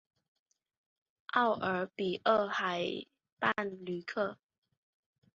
奥尔比厄河畔吕克。